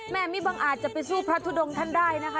มิบังอาจจะไปสู้พระทุดงท่านได้นะคะ